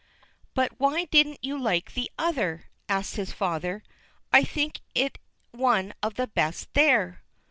"But why didn't you like the other?" asks his father. "I think it one of the best there."